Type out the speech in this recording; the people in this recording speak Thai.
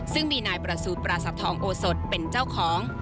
ซึ่งมีนายประสูจนปราศัพทองโอสดเป็นเจ้าของ